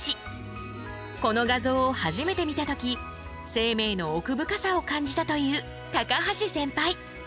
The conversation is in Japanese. この画像を初めて見た時生命の奥深さを感じたという高橋センパイ。